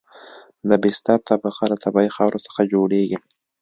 د بستر طبقه د طبیعي خاورې څخه جوړیږي